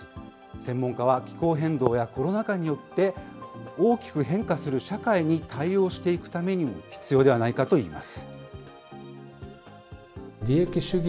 専門家は気候変動やコロナ禍によって、大きく変化する社会に対応していくためにも必要ではないかといいます。